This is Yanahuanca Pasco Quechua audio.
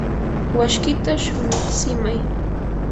washkita shunatsimay.